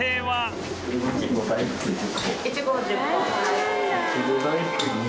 はい。